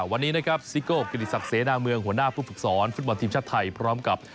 วันนี้นะครับซิโก้กิติศักดิ์เสนาเมืองหัวหน้าผู้ฝึกสอนฟุตบอลทีมชาติไทยพร้อมกับ